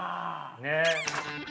ねえ。